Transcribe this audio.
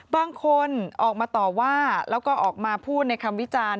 บางคนออกมาต่อว่าแล้วก็ออกมาพูดในคำวิจารณ์